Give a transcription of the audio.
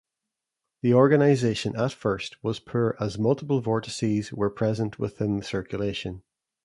The organization, at first, was poor as multiple vortices were present within the circulation.